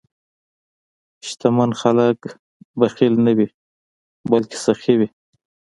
شتمن خلک بخیل نه وي، بلکې سخي وي.